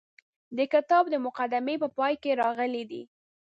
د کتاب د مقدمې په پای کې راغلي دي.